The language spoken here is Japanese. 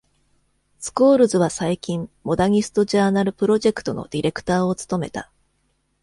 スコールズは最近、モダニスト・ジャーナル・プロジェクトのディレクターを務めた。